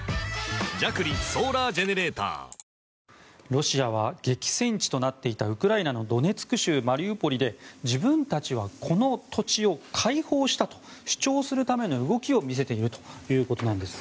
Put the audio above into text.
ロシアは激戦地となっていたウクライナのドネツク州マリウポリで自分たちはこの土地を解放したと主張するための動きを見せているということなんです。